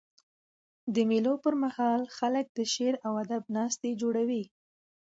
د مېلو پر مهال خلک د شعر او ادب ناستي جوړوي.